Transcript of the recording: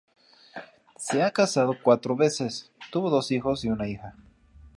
Se ha casado cuatro veces; tuvo dos hijos y una hija.